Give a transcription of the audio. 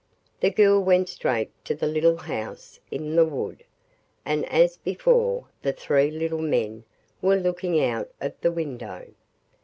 The girl went straight to the little house in the wood, and as before the three little men were looking out of the window.